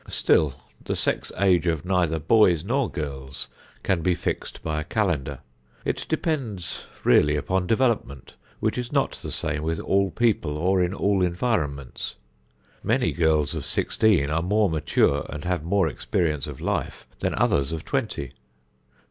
Still the sex age of neither boys nor girls can be fixed by a calendar. It depends really upon development, which is not the same with all people or in all environments. Many girls of sixteen are more mature and have more experience of life than others of twenty.